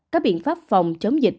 các biện pháp phòng chống dịch